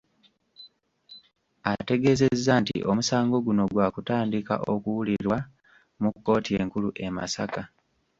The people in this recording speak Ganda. Ategeezezza nti omusango guno gwakutandika okuwulirwa mu kkooti enkulu e Masaka